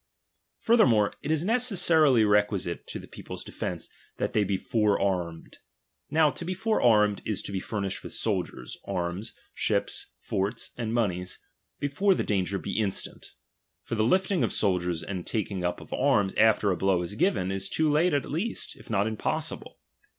Furthermore, it is necessarily requisite to the ' people's defence, that they be forearmed. Now l^to be forearmed is to be furnished with soldiers, \ arms, ships, forts, and monies, before the danger be instant ; for the lifting of soldiers and taking up of arms after a blow is given, is too late at least, if not impossible.